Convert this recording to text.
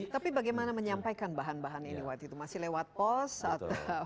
tapi bagaimana menyampaikan bahan bahan ini waktu itu masih lewat pos atau